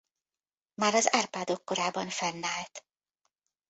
Már az Árpádok korában fennállt.